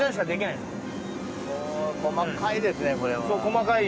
細かいですね、これは。